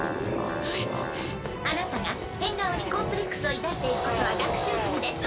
あなたが変顔にコンプレックスを抱いていることは学習済みです。